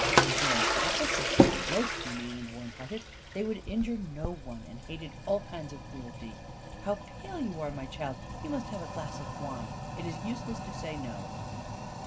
"The very opposite. Most humane and warm hearted They would injure no one, and hated all kinds of cruelty. How pale you are, my child! You must have a glass of wine. It is useless to say no."